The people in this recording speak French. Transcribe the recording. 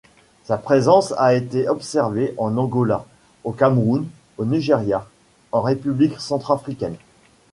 Sa présence a été observée en Angola, au Cameroun, au Nigeria, en République centrafricaine.